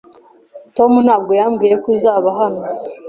Tom ntabwo yambwiye ko uzaba hano.